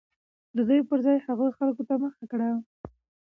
د دوى پر ځاى هغو خلكو ته مخه كړه